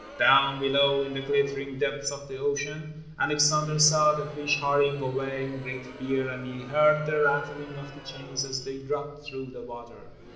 Down below in the glittering depths of the ocean, Alexander saw the fish hurrying away in great fear and he heard the rattling of the chains as they dropped through the water.